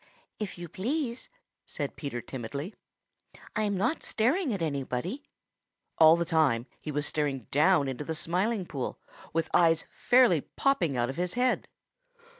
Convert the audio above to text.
"If you please," said Peter timidly, "I'm not staring at anybody." All the time he was staring down into the Smiling Pool with eyes fairly popping out of his head.